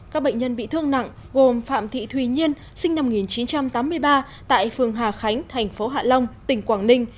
các bệnh nhân bị thương nặng gồm phạm thị thùy nhiên sinh năm một nghìn chín trăm tám mươi ba tại phường hà khánh thành phố hạ long tỉnh quảng ninh